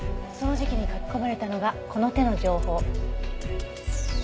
その時期に書き込まれたのがこの手の情報。